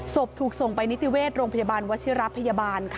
ถูกส่งไปนิติเวชโรงพยาบาลวชิระพยาบาล